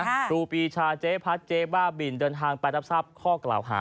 ครูปีชาเจ๊พัดเจ๊บ้าบินเดินทางไปรับทราบข้อกล่าวหา